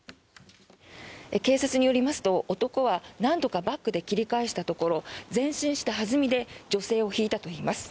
警察によりますと、男は何度かバックで切り返したところ前進した弾みで女性をひいたといいます。